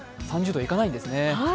３０度いかないんですね。